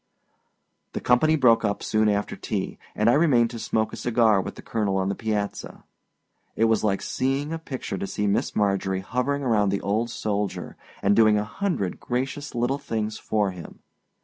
The company broke up soon after tea, and I remained to smoke a cigar with the colonel on the piazza. It was like seeing a picture, to see Miss Marjorie hovering around the old soldier, and doing a hundred gracious little things for him.